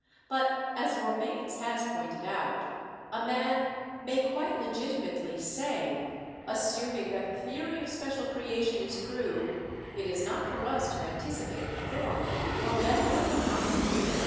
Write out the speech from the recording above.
But as Romanes has pointed out, a man "may quite legitimately say, Assuming that the theory of special creation is true, it is not for us to anticipate the form or method of the process.